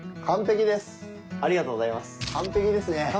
完璧ですね。